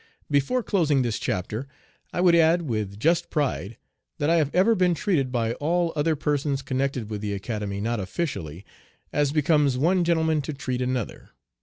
Before closing this chapter I would add with just pride that I have ever been treated by all other persons connected with the Academy not officially, as becomes one gentleman to treat another.